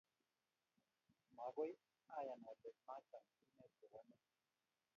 Magoy ayan ale macham inet kou ane